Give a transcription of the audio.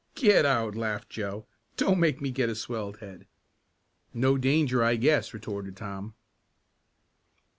"Get out!" laughed Joe. "Don't make me get a swelled head." "No danger, I guess," retorted Tom.